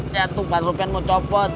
jantung pak sopin mau copot